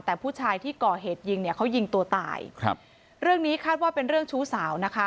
แต่ผู้ชายที่ก่อเหตุยิงเนี่ยเขายิงตัวตายครับเรื่องนี้คาดว่าเป็นเรื่องชู้สาวนะคะ